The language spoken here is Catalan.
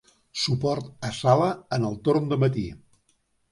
Suport a sala en el torn de matí.